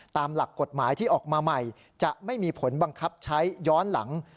ตามหลักกฎหมายที่ออกมาใหม่จะไม่มีผลบังคับใช้ย้อนหลัง